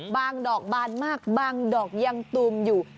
ดอกบานมากบางดอกยังตูมอยู่